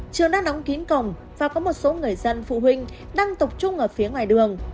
trường đã đóng kín cổng và có một số người dân phụ huynh đang tục trung ở phía ngoài đường